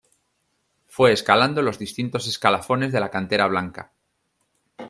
Fue escalando los distintos escalafones de la cantera blanca.